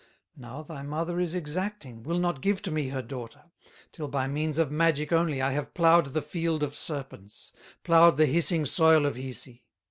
Now thy mother is exacting, Will not give to me her daughter, Till by means of magic only, I have plowed the field of serpents, Plowed the hissing soil of Hisi."